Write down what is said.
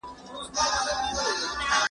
تا دوه ډير نژدې انسانان سره بيل کړل.